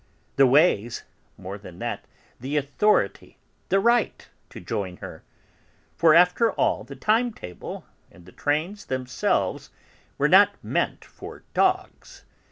The ways? More than that, the authority, the right to join her. For, after all, the time table, and the trains themselves, were not meant for dogs.